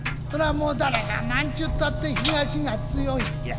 もう誰がなんちゅったって東が強いんじゃい。